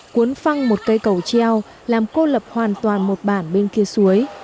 cuốn phăng một cây cầu treo làm cô lập hoàn toàn một bản bên kia suối